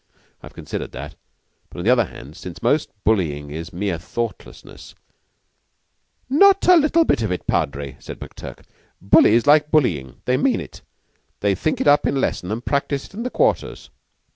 "I've considered that, but on the other hand, since most bullying is mere thoughtlessness " "Not one little bit of it, Padre," said McTurk. "Bullies like bullyin'. They mean it. They think it up in lesson and practise it in the quarters."